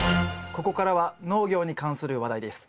ここからは農業に関する話題です。